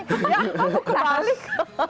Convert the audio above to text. ya ampun kebalik